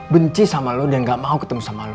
benci sama lo dan gak mau ketemu sama lo